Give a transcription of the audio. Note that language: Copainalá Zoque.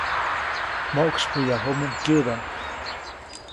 Moʼksypyäyajuʼumuŋ kyäʼdaʼm.